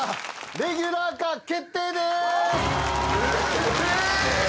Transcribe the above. レギュラー化決定です！